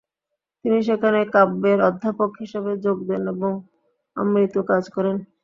তিনি সেখানে কাব্যের অধ্যাপক হিসাবে যোগ দেন এবং আমৃত্যু কাজ করেন।